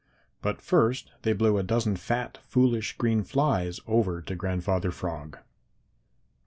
But first they blew a dozen fat, foolish, green flies over to Grandfather Frog.